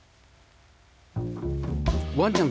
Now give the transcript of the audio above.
ワンちゃん